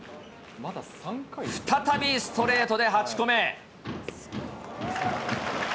再びストレートで８個目。